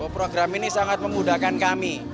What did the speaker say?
program ini sangat memudahkan kami